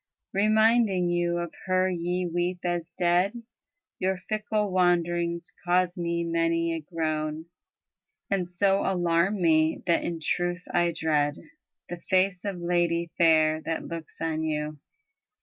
Reminding you of her ye weep as dead. Your fickle wanderings cause me many a groan And so alarm me, that in truth I dread The face of lady fair that looks on you.